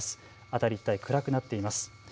辺り、一帯暗くなっています。